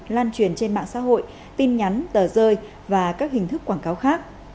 lan truyền trên mạng xã hội tin nhắn tờ rơi và các hình thức quảng cáo khác